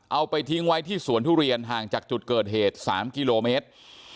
เอาไปทิ้งไว้ที่สวนทุเรียนห่างจากจุดเกิดเหตุ๓กิโลเมตร